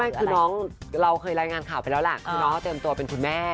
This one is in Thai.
ไม่คือเรายังเป็นข่าวก็เติมตัวเป็นคุณแม่